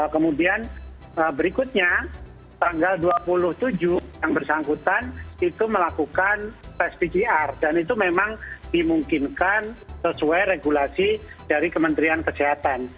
kemudian berikutnya tanggal dua puluh tujuh yang bersangkutan itu melakukan tes pcr dan itu memang dimungkinkan sesuai regulasi dari kementerian kesehatan